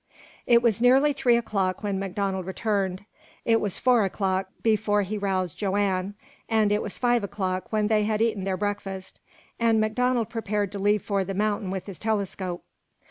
It was nearly three o'clock when MacDonald returned. It was four o'clock before he roused Joanne; and it was five o'clock when they had eaten their breakfast, and MacDonald prepared to leave for the mountain with his telescope.